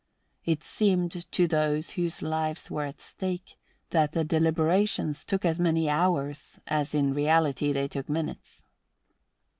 It seemed to those whose lives were at stake that the deliberations took as many hours as in reality they took minutes.